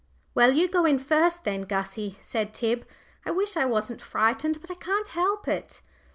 "Well, you go in first, then, Gussie," said Tib. "I wish I wasn't frightened, but I can't help it."